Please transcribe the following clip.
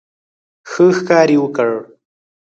ښه ښکار یې وکړ.